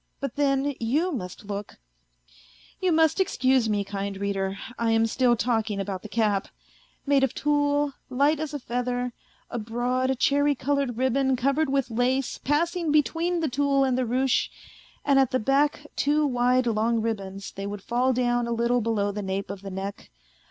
... But then you must look ... You must excuse me, kind reader, I am still talking about the cap : made of tulle, light as a feather, a broad cherry coloured ribbon covered with lace passing between the tulle and the ruche, and at the back two wide long ribbons they would fall down a little below the nape of the neck.